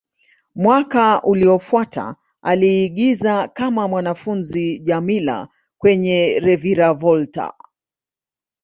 Mwaka uliofuata, aliigiza kama mwanafunzi Djamila kwenye "Reviravolta".